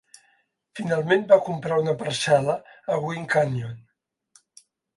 Finalment, va comprar una parcel·la a Gwin Canyon.